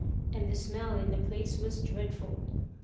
And the smell in the place was dreadful.